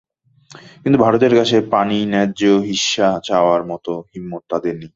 কিন্তু ভারতের কাছে পানি ন্যায্য হিস্যা চাওয়ার মতো হিম্মত তাদের নেই।